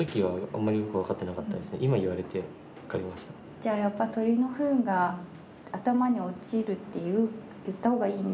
じゃあやっぱ鳥のふんが頭に落ちるって言った方がいいね。